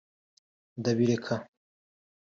ndabireka